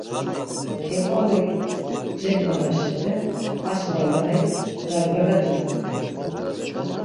Keǩvali cedvalaşete aşǩva rai cargara cargara!